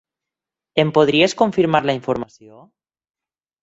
Em podries confirmar la informació?